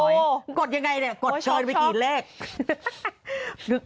น้อยกดยังไงนี่กดเกินไปกี่เลขกดช็อคช็อค